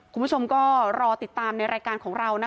คุณผู้ชมก็รอติดตามในรายการของเรานะ